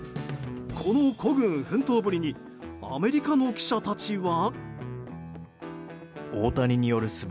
この孤軍奮闘ぶりにアメリカの記者たちは。